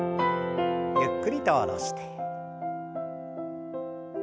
ゆっくりと下ろして。